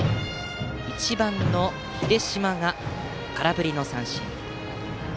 １番、秀嶋が空振り三振。